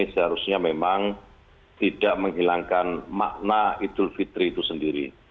seharusnya memang tidak menghilangkan makna idul fitri itu sendiri